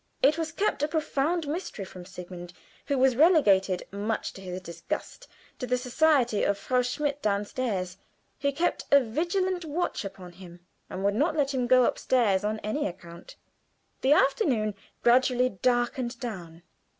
It was kept a profound mystery from Sigmund, who was relegated, much to his disgust, to the society of Frau Schmidt down stairs, who kept a vigilant watch upon him and would not let him go upstairs on any account. The afternoon gradually darkened down.